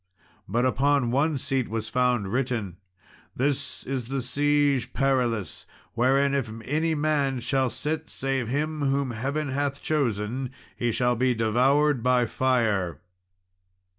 But upon one seat was found written, "This is the Siege Perilous, wherein if any man shall sit save him whom Heaven hath chosen, he shall be devoured by fire."